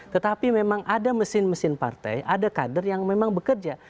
tetapi memang ada mesin mesin partai ada kader yang memang bekerja